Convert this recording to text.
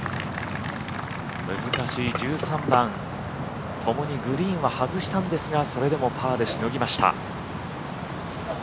難しい１３番ともにグリーンは外したんですがそれでもパーでしのぎました。